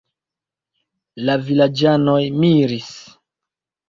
La vilaĝanoj miris.